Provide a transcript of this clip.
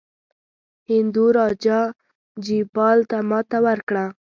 هندو راجا جیپال ته ماته ورکړه.